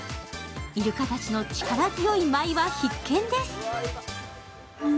イルカたちの力強い舞いは必見です。